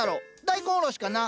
大根おろしかな？